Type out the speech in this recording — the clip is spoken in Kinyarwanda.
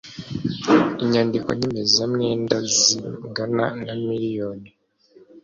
inyandiko nyemeza mwenda zingana na miliyoni